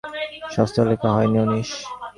দিদি, উনিশ বছরের কুমারীর জন্যে শাস্ত্র লেখা হয় নি।